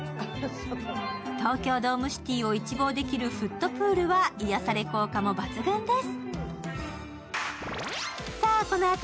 東京ドームシティを一望できるフットプールは癒やされ効果も抜群です。